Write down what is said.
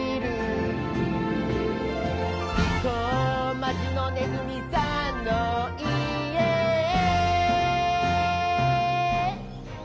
町のねずみさんのいえへ」